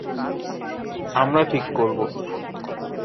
আমরা ঠিক করবো।